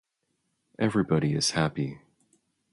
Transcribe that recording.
Everybody is happy.